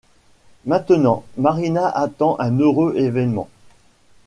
Maintenant, Marina attend un heureux événement.